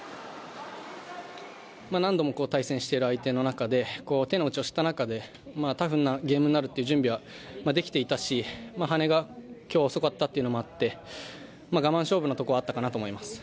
何度も対戦している相手の中で手の内を知った中でタフなゲームになるという準備はできてきたし、羽根が今日は遅かったというのもあって、我慢勝負のところはあったかなと思います。